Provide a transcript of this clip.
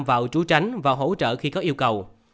vào trú tránh và hỗ trợ khi có yêu cầu